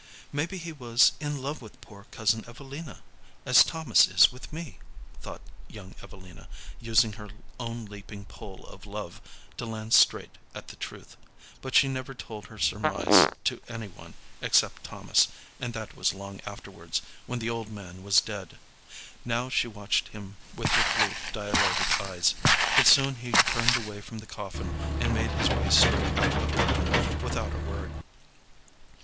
"Maybe he was in love with poor Cousin Evelina, as Thomas is with me," thought young Evelina, using her own leaping pole of love to land straight at the truth. But she never told her surmise to any one except Thomas, and that was long afterwards, when the old man was dead. Now she watched him with her blue dilated eyes. But soon he turned away from the coffin and made his way straight out of the room, without a word.